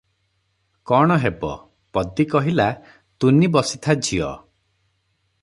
କଣ ହେବ?" ପଦୀ କହିଲା, "ତୁନି ବସିଥା ଝିଅ ।